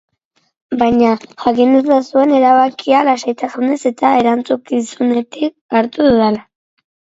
Baina, jakin dezazuen erabakia lasaitasunez eta erantzukizunetik hartu dudala.